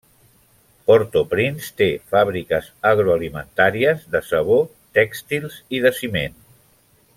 Port-au-Prince té fàbriques agroalimentàries, de sabó, tèxtils i de ciment.